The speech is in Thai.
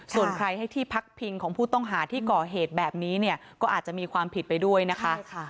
ส่วนใครให้ที่พักพิงของผู้ต้องหาที่ก่อเหตุแบบนี้เนี่ยก็อาจจะมีความผิดไปด้วยนะคะ